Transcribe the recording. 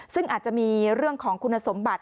ซึ่งอาจจะมีเรื่องของคุณสมบัติ